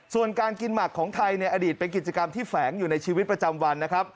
ส่วนการกินหมักของไทยในอดีตเป็นกิจกรรมที่แฝงอยู่ในชีวิตประจำวันนะครับ